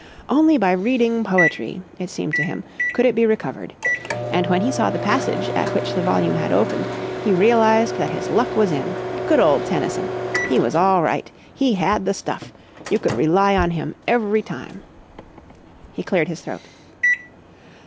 Only by reading poetry, it seemed to him, could it be recovered. And when he saw the passage at which the volume had opened he realised that his luck was in. Good old Tennyson! He was all right. He had the stuff. You could rely on him every time. He cleared his throat.